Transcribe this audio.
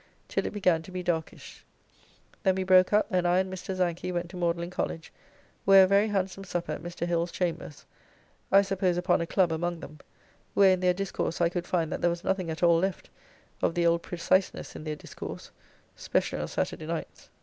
till it began to be darkish: then we broke up and I and Mr. Zanchy went to Magdalene College, where a very handsome supper at Mr. Hill's chambers, I suppose upon a club among them, where in their discourse I could find that there was nothing at all left of the old preciseness in their discourse, specially on Saturday nights.